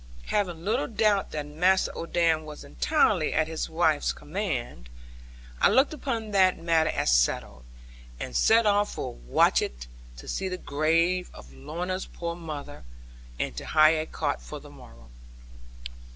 Having little doubt that Master Odam was entirely at his wife's command, I looked upon that matter as settled, and set off for Watchett, to see the grave of Lorna's poor mother, and to hire a cart for the morrow.